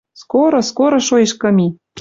Скоро, скоро шоэш кым и